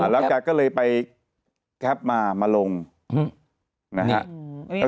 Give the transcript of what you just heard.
แล้วแกก็เลยไปแคปมามาลงนะฮะ